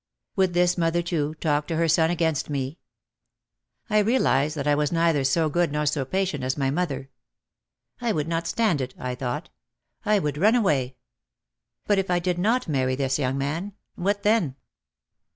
Would this mother too talk to her son against me? I realised that I was neither so good nor so patient as my mother. "I would not stand it," I thought, "I would run away. But, if I did not marry this young man, what then?"